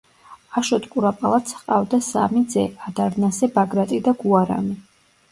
აშოტ კურაპალატს ჰყავდა სამი ძე ადარნასე, ბაგრატი და გუარამი.